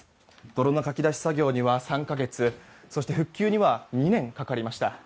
泥のかき出し作業には３か月そして、復旧には２年かかりました。